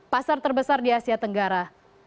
pasar terbesar di asia tenggara